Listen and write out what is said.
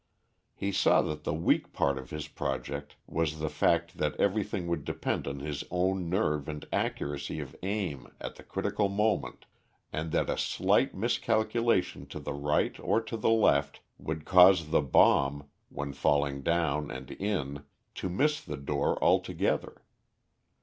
He saw that the weak part of his project was the fact that everything would depend on his own nerve and accuracy of aim at the critical moment, and that a slight miscalculation to the right or to the left would cause the bomb, when falling down and in, to miss the door altogether.